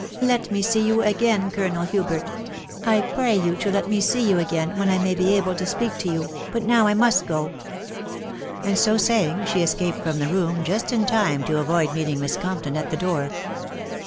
Let me see you again, Colonel Hubert — I pray you to let me see you again, when I may be able to speak to you .... but now I must go ;" and so saying she escaped from the room just in time to avoid meeting Miss Compton at the door.